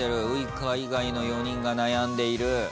ウイカ以外の４人が悩んでいる。